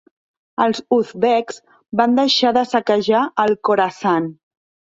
Els uzbeks van deixar de saquejar el Khorasan.